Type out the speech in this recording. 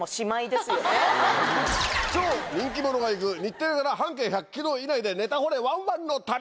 超人気者が行く日テレから半径１００ｋｍ以内でネタ掘れワンワンの旅！